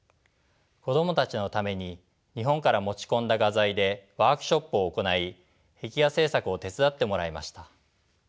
子供たちのために日本から持ち込んだ画材でワークショップを行い壁画制作を手伝ってもらいました。